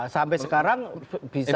sampai sekarang bisa